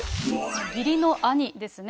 義理の兄ですね。